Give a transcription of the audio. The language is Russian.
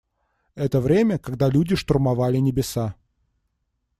Это время, когда люди штурмовали небеса.